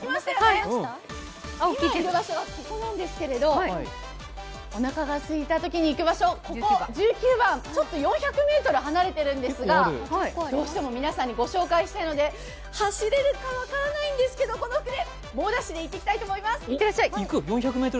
今いる場所がここなんですけど、おなかがすいたときに行きましょう、ここ１９番、ちょっと４００ｍ離れているんですが、どうしても皆さんにご紹介したいので走れるかか分からないんですけど、この服で猛ダッシュしてきたいと思います。